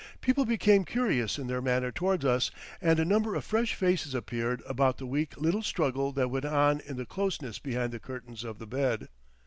People became curious in their manner towards us, and a number of fresh faces appeared about the weak little struggle that went on in the closeness behind the curtains of the bed.